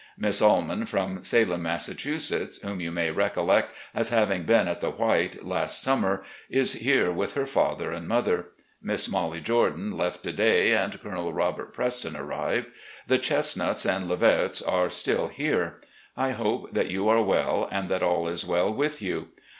Miss Alman, from Salem, Massachusetts, whom you may recollect as having been at the White last sum mer, is here with her father and mother. Miss MoUie Jourdan left to day, and Colonel Robert Preston arrived. The Chestnuts and Le Verts are still here. I hope that you are well and that all is well with you.